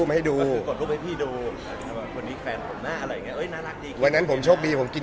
๓พันคนนี้มันยังไม่เจอนะ